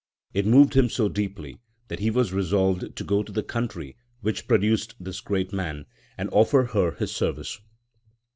It moved him so deeply that he resolved to go to the country which produced this great man, and offer her his service.